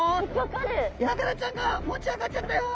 ヤガラちゃんが持ち上がっちゃったよ！